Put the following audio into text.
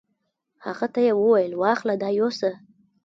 هغه ته یې وویل: واخله دا یوسه.